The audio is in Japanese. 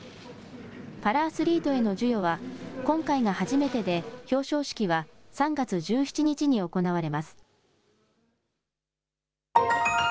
パラアスリートへの授与は今回が初めてで表彰式は３月１７日に行われます。